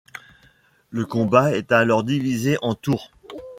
Le combat est alors divisé en tours.